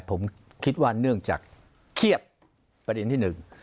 ผมคิดว่าเนื่องจากเครียดประเด็นที่หนึ่ง